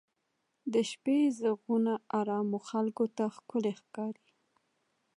د شپې ږغونه ارامو خلکو ته ښکلي ښکاري.